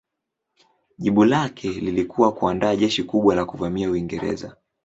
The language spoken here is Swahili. Jibu lake lilikuwa kuandaa jeshi kubwa la kuvamia Uingereza.